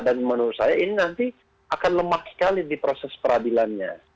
menurut saya ini nanti akan lemah sekali di proses peradilannya